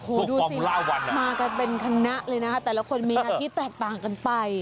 โอ้โหดูสิมากันเป็นคณะเลยนะคะแต่ละคนมีหน้าที่แตกต่างกันไป